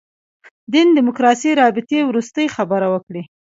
دین دیموکراسي رابطې وروستۍ خبره وکړي.